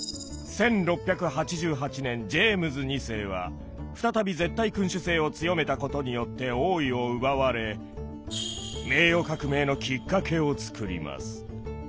１６８８年ジェームズ２世は再び絶対君主制を強めたことによって王位を奪われ名誉革命のきっかけを作ります。